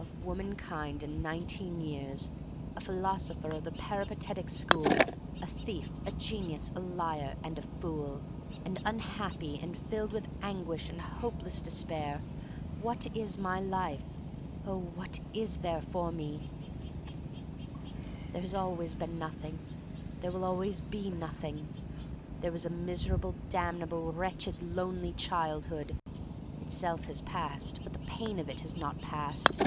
Of womankind and nineteen years, a philosopher of the peripatetic school, a thief, a genius, a liar, and a fool — and unhappy, and filled with anguish and hopeless despair. What is my life? Oh, what is there for mel THE STORY OF MARY MAC LANE 317 There has always been Nothing, There will always be Nothing. There was a miserable, damnable, wretched, lonely childhood. Itself has passed, but the pain of it has not passed.